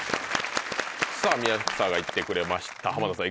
さぁ宮草が行ってくれました濱田さん